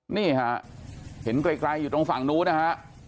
นี่ฮะเห็นไกลอยู่ตรงฝั่งนู้นนะฮะ